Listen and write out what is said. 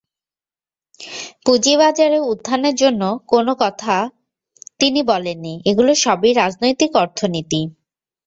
পুঁজিবাজারে উত্থানের জন্য কোনো কথা তিনি বলেননি, এগুলো সবই রাজনৈতিক অর্থনীতি।